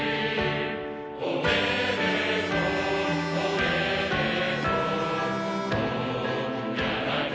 「おめでとう」「おめでとう」「今夜だけ」